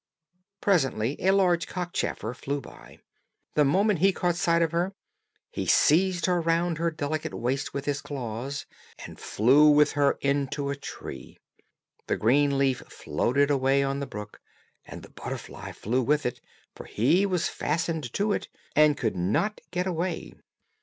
Presently a large cockchafer flew by; the moment he caught sight of her, he seized her round her delicate waist with his claws, and flew with her into a tree. The green leaf floated away on the brook, and the butterfly flew with it, for he was fastened to it, and could not get away.